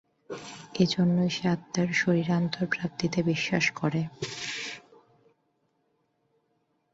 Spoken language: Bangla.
এই জন্যই সে আত্মার শরীরান্তর-প্রাপ্তিতে বিশ্বাস করে।